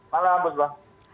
selamat malam bu soeba